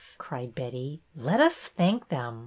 " cried Betty. '' Let us thank them.